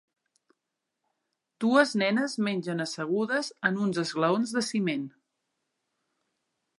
Dues nenes mengen assegudes en uns esglaons de ciment.